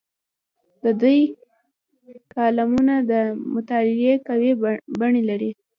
د دوی کالمونه د مطالعې قوي بڼې لري.